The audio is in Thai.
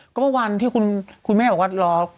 ก็เมื่อวันที่คุณแม่บอกว่ารอ